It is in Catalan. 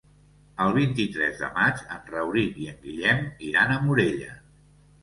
El vint-i-tres de maig en Rauric i en Guillem iran a Morella.